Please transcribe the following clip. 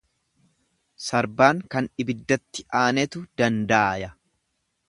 Sarbaan kan ibiddatti aanetu dandaaya.